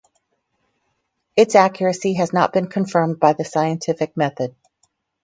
Its accuracy has not been confirmed by the scientific method.